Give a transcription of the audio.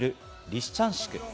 リシチャンシク。